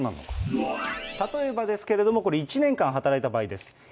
例えばですけど、これ、１年間働いた場合です。